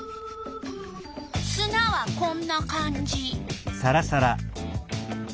すなはこんな感じ。